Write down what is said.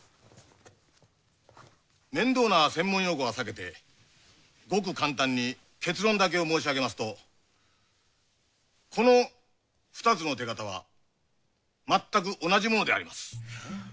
面倒な専門用語は避けてごく簡単に結論だけを申し上げますとこの２つの手形はまったく同じものであります。